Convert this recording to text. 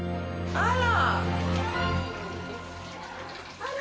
あら。